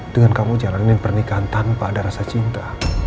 dengan kamu jalanin pernikahan tanpa ada rasa cinta